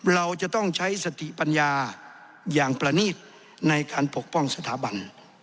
เราจะต้องใช้สติปัญญาอย่างประนีตในการปกป้องสถาบัน